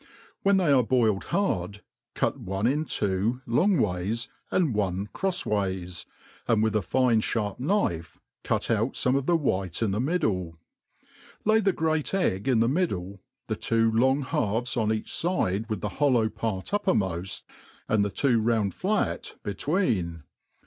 When they are boiled hard, cut one in two long ways, and one crofs ways, and with a fine fharp knife cut out fome of the white in the middle ; lay the great egg in the middle, the two long halves on each fide wi^ the hollow part uppermoft, and the two round flat between.